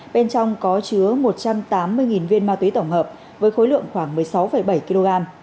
bên trong có chứa một trăm tám mươi viên ma túy tổng hợp với khối lượng khoảng một mươi sáu bảy kg